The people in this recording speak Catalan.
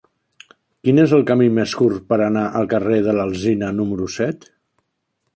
Quin és el camí més curt per anar al carrer de l'Alzina número set?